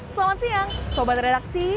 selamat siang sobat redaksi